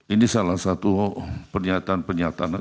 ini salah satu pernyataan pernyataan